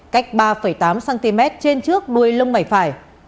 cách ba tám cm trên trước đuôi lưng mảnh phải